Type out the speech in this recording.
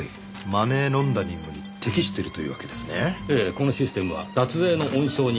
このシステムは脱税の温床になり得ます。